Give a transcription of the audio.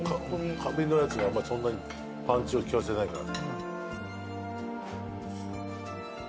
カビのやつがそんなにパンチを利かせてないから。